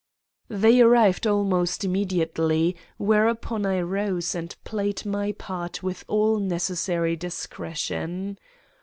"They arrived almost immediately, whereupon I rose and played my part with all necessary discretion.